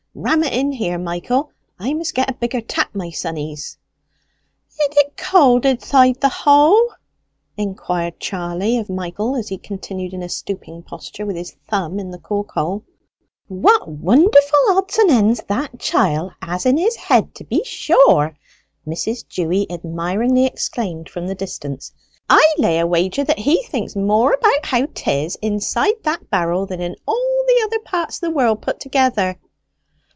Ram it in here, Michael! I must get a bigger tap, my sonnies." "Idd it cold inthide te hole?" inquired Charley of Michael, as he continued in a stooping posture with his thumb in the cork hole. "What wonderful odds and ends that chiel has in his head to be sure!" Mrs. Dewy admiringly exclaimed from the distance. "I lay a wager that he thinks more about how 'tis inside that barrel than in all the other parts of the world put together."